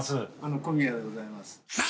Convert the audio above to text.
「小宮でございます」